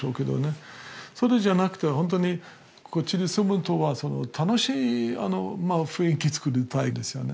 それじゃなくて本当にこっちで住むとは楽しい雰囲気作りたいですよね。